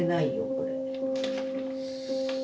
これ。